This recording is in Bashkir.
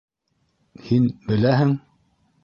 Һин... беләһең?!